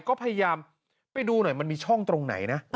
ก็พยายามไปดูหน่อยมันมีช่องตรงไหนนะ